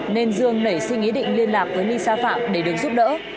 nên dương nảy sinh ý định liên lạc với lisa phạm để được giúp đỡ